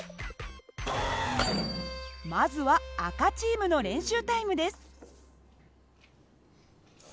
まずは赤チームの練習タイムです。